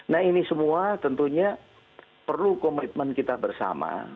nah ini semua tentunya perlu komitmen kita bersama